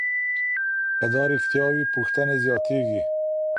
که دا رښتیا وي، پوښتنې زیاتېږي.